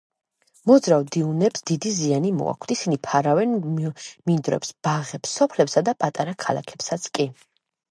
მოძრავ დიუნებს დიდი ზიანი მოაქვთ: ისინი ფარავენ მინდვრებს, ბაღებს, სოფლებსა და პატარა ქალაქებსაც კი.